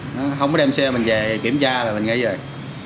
nó không có đem xe mình về kiểm tra rồi mình nghĩ rồi